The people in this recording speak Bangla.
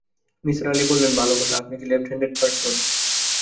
নিসার আলি বললেন, ভালো কথা, আপনি কি লেফট হ্যানডেড পার্সন?